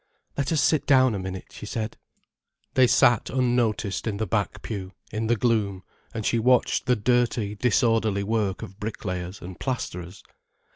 "Let us sit down a minute," she said. They sat unnoticed in the back pew, in the gloom, and she watched the dirty, disorderly work of bricklayers and plasterers.